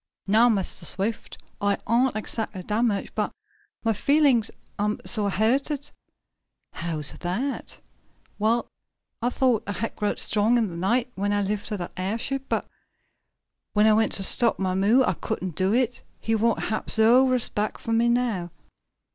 "No, Mistah Swift, I ain't exactly damaged, but mah feelin's am suah hurted." "How's that?" "Well, I thought I had growed strong in de night, when I lifted dat airship, but when I went to stop mah mule I couldn't do it. He won't hab no respect fo' me now."